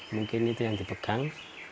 mungkin itu yang dipegang